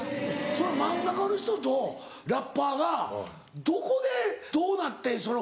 その漫画家の人とラッパーがどこでどうなってその２人は？